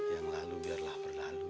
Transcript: yang lalu biarlah berlalu